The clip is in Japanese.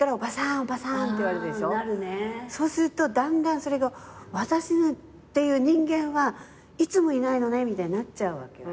そうするとだんだんそれが私っていう人間はいつもいないのねみたいになっちゃうわけよ。